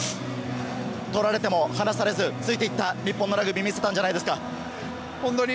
取られても離されず、ついていった日本のラグビーを見せたんじゃないですか？